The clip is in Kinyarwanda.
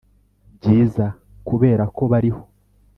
byiza. kuberako bariho.